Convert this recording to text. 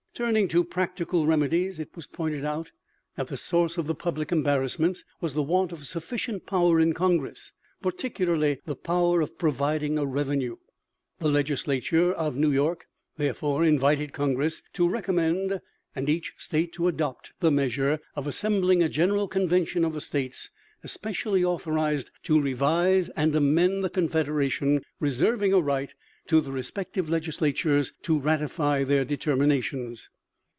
Turning to practical remedies, it was pointed out that the source of the public embarrassments was the want of sufficient power in Congress, particularly the power of providing a revenue. The legislature of New York, therefore, invited Congress "to recommend and each state to adopt the measure of assembling a general convention of the states especially authorized to revise and amend the confederation, reserving a right to the respective legislatures to ratify their determinations."